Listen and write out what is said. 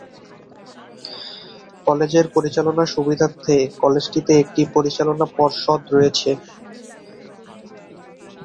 College পরিচালনার সুবিধার্থে কলেজটিতে একটি পরিচালনা পর্ষদ রয়েছে।